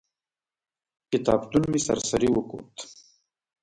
کتابتون مې سر سري وکت.